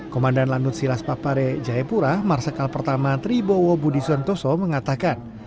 komandan lanut silas papare jayapura marsikal pertama tribowo budi suntoso mengatakan